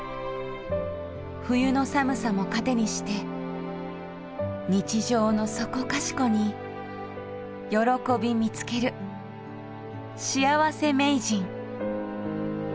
冬の寒さも糧にして日常のそこかしこに喜び見つけるしあわせ名人。